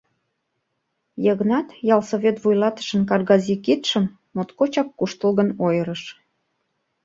— Йыгнат ялсовет вуйлатышын каргази кидшым моткочак куштылгын ойырыш.